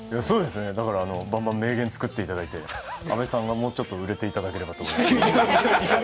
そうですね、ばんばん名言を作っていただいて阿部さんがもうちょっと売れていただければと。